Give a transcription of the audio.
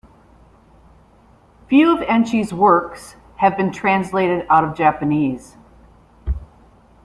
Few of Enchi's works have been translated out of Japanese.